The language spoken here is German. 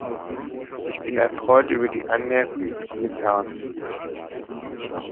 Ich bin erfreut über die Anmerkungen des Kommissars.